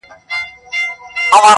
د قرآن دېرسو سېپارو ته چي سجده وکړه~